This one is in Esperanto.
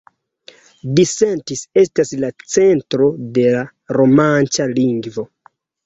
Disentis estas la centro de la romanĉa lingvo.